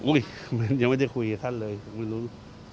ยังไม่ได้คุยกับท่านเลยไม่รู้